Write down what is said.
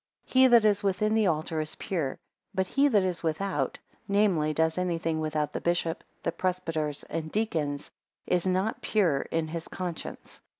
5 He that is within the altar, is pure; but he that is without, namely, does anything without the bishop, the presbyters, and deacons, is not pure in his conscience.